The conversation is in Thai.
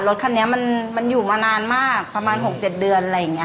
รถคันนี้มันอยู่มานานมากประมาณ๖๗เดือนอะไรอย่างนี้